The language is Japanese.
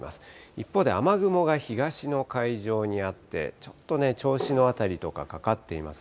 一方で、雨雲が東の海上にあって、ちょっとね、銚子の辺りとか、かかっています。